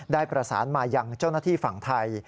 ได้ประสานมายังเจ้าหน้าที่ฝั่งไทย